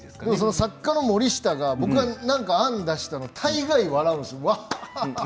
作家の森下が僕が案を出したらわははと笑うんです。